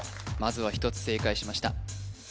まずは１つ正解しました